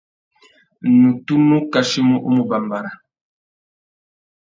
Nnú tunu kachimú u mù bàmbàra.